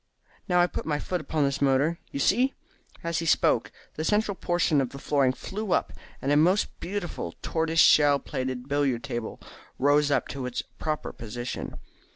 Now I put my foot upon this motor. You see!" As he spoke, the central portion of the flooring flew up, and a most beautiful tortoise shell plated billiard table rose up to its proper position.